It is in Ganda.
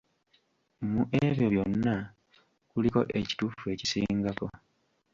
Mu ebyo byonna, kuliko ekituufu ekisingako.